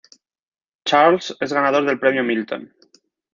Charles es ganador del premio Milton.